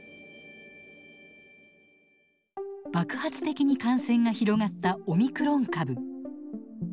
爆発的に感染が広がったオミクロン株。